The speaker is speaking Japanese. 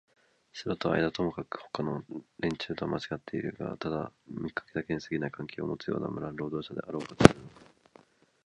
城とのあいだにともかくもほかの連中とはちがってはいるがただ見かけだけにすぎない関係をもつような村の労働者であろうとするのか、